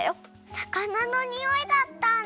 さかなのにおいだったんだ。